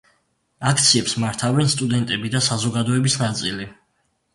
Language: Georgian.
აქციებს მართავენ სტუდენტები და საზოგადოების ნაწილი.